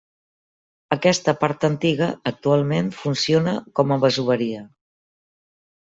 Aquesta part antiga actualment funciona com a masoveria.